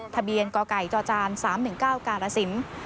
ทะเบียนกไก่จจาน๓๑๙กาลสิน